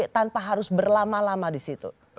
tanpa harus berlama lama di situ